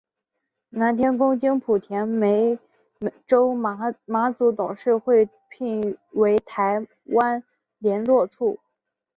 南天宫经莆田湄洲妈祖庙董事会聘为台湾连络处。